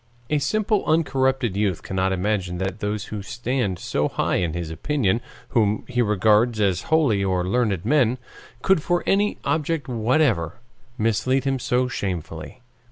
A simple uncorrupted youth cannot imagine that those who stand so high in his opinion, whom he regards as holy or learned men, could for any object whatever mislead him so shamefully.